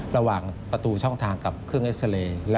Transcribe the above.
ระหว่างประตูช่องทางกับเครื่องเอ็กซาเรย์